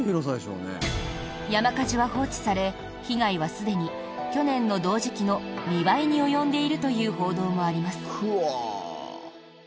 山火事は放置され被害はすでに去年の同時期の２倍に及んでいるという報道もあります。